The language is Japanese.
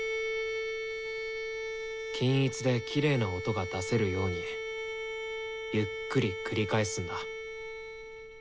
均一できれいな音が出せるようにゆっくり繰り返すんだ。